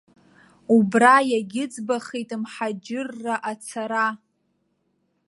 Убра иагьыӡбахеит мҳаџьырра ацара.